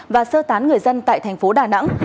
và sơ tán người dân tại thành phố đà nẵng